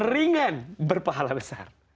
ringan berpahala besar